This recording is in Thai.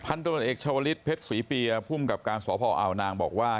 พันธุรกรรมเอกชาวลิสเพชรสวีเปียร์ภูมิกับการสอบพ่ออาวนางบอกว่า